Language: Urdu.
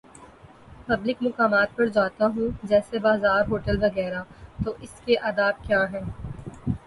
پبلک مقامات پر جانا ہو، جیسے بازار" ہوٹل وغیرہ تو اس کے آداب کیا ہیں۔